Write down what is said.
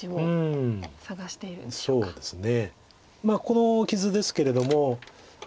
この傷ですけれども。